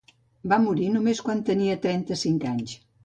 Va morir quan només tenia trenta-cinc anys.